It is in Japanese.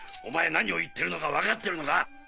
お前何を言ってるのか分かってるのか！